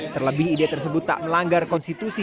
terlebih ide tersebut tak melanggar konstitusi